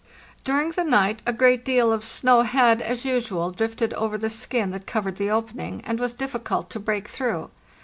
During the night a great deal of snow had, as usual, drifted over the skin that covered the opening, and was difficult to break through.